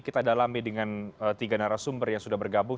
kita dalami dengan tiga narasumber yang sudah bergabung